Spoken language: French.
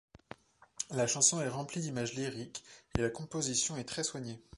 La chanson est remplie d'images lyriques, et la composition est très soignée.